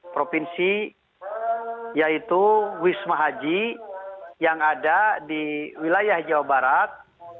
provinsi yaitu wisma haji yang ada di wilayah jawa barat